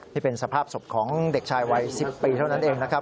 นี่เป็นสภาพศพของเด็กชายวัย๑๐ปีเท่านั้นเองนะครับ